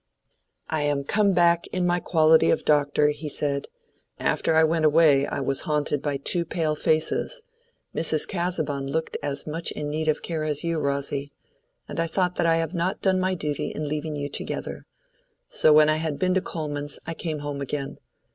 "I am come back in my quality of doctor," he said. "After I went away, I was haunted by two pale faces: Mrs. Casaubon looked as much in need of care as you, Rosy. And I thought that I had not done my duty in leaving you together; so when I had been to Coleman's I came home again.